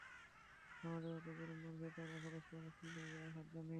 আমাদের মতো গরিব মানুষের টাকা খরচ করে খুলনায় যাওয়ার সাধ্য নেই।